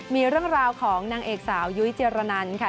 มีเรื่องราวของนางเอกสาวยุ้ยเจรนันค่ะ